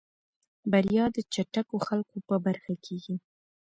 بريا د چټکو خلکو په برخه کېږي.